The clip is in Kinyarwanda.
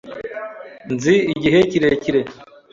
Nzi igihe kirekire.